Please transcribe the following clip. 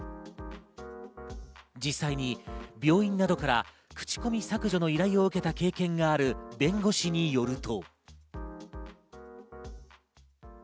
実際に病院などから口コミ削除の依頼を受けた経験がある弁護士によると。